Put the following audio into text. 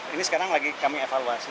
ini sekarang lagi kami evaluasi